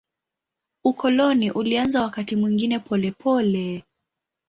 Ukoloni ulianza wakati mwingine polepole.